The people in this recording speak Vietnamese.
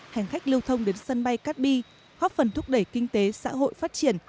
hành khách lưu thông đến sân bay cát bi góp phần thúc đẩy kinh tế xã hội phát triển